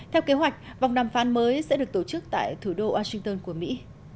theo kế hoạch vòng đàm phán mới sẽ được tổ chức tại thủ đô washington của mỹ